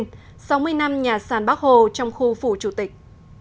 sáu mươi năm nhà sàn bắc hồ trong khu phủ chủ tịch